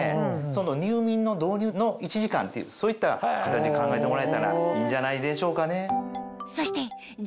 入眠の導入の１時間そういった形で考えてもらえたらいいんじゃないでしょうかね。